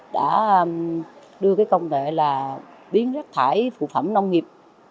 đã đưa cái công nghệ là biến rác thải phụ phẩm nông nghiệp